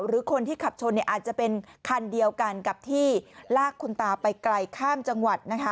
หรือคนที่ขับชนอาจจะเป็นคันเดียวกันกับที่ลากคุณตาไปไกลข้ามจังหวัดนะคะ